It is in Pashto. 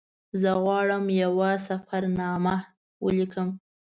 زه غواړم یوه سفرنامه ولیکم.